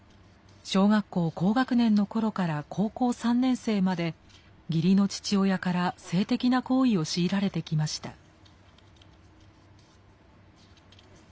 小学校高学年の頃から高校３年生まで義理の父親から性的な行為を強いられてきました。